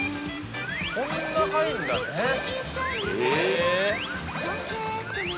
こんな入るんだね。